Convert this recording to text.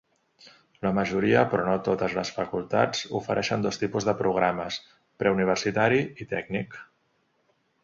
La majoria, però no totes les facultats ofereixen dos tipus de programes: preuniversitari i tècnic.